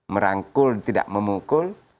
merangkul tidak memukul